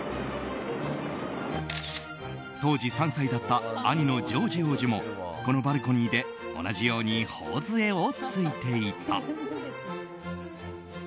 当時３歳だった兄のジョージ王子もこのバルコニーで同じように頬杖を突いていた。